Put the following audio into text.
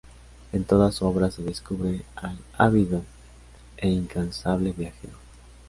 En toda su obra se descubre al ávido e incansable viajero.